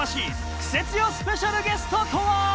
クセ強スペシャルゲストとは。